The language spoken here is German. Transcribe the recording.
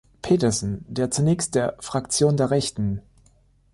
Petersen, der zunächst der "Fraktion der Rechten".